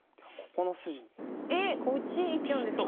えっこっちいっちゃうんですか！